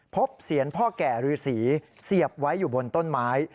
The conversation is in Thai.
เสียรพ่อแก่ฤษีเสียบไว้อยู่บนต้นไม้